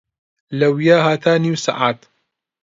لەویا هەتا نیو سەعات